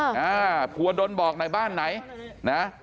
ภัวเรนนี่ดนบอกในบ้านไหนนะ